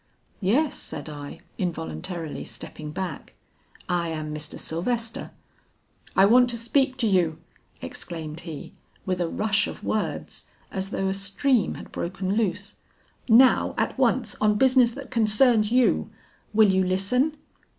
'Yes,' said I, involuntarily stepping back, 'I am Mr. Sylvester.' 'I want to speak to you,' exclaimed he, with a rush of words as though a stream had broken loose; 'now, at once, on business that concerns you. Will you listen?'